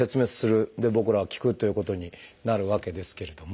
で僕らは聞くということになるわけですけれども。